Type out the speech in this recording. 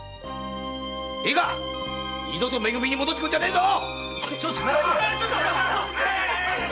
いいか二度とめ組に戻ってくんじゃねえぞ‼